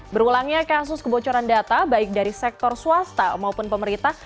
berulangnya kasus kebocoran data baik dari sektor swasta maupun pemerintah